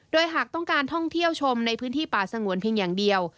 โดยหากต้องการท่องเที่ยวชมในพื้นที่ป่าสงวนเพียงอย่างเดียว